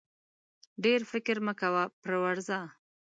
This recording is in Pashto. ډېر فکر مه کوه پر ورځه!